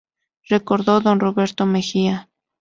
Recordó don Roberto Mejia.